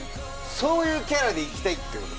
そういうキャラで行きたいってこと？